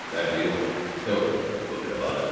That deal There was nothing crooked about it.